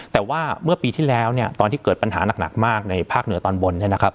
แต่ว่าเมื่อปีที่แล้วตอนที่เกิดปัญหาหนักมากในภาคเหนือตอนบน